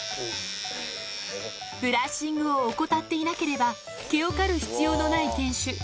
ブラッシングを怠っていなければ、毛を刈る必要のない犬種。